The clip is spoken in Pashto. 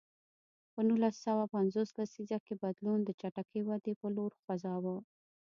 په نولس سوه پنځوس لسیزه کې بدلون د چټکې ودې په لور خوځاوه.